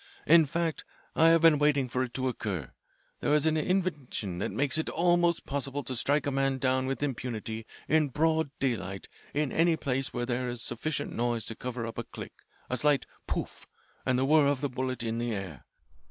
In fact I have been waiting for it to occur. There is an invention that makes it almost possible to strike a man down with impunity in broad daylight in any place where there is sufficient noise to cover up a click, a slight 'Pouf!' and the whir of the bullet in the air.